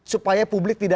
supaya publik tidak bisa